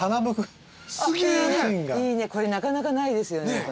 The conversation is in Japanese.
いいねこれなかなかないですよね。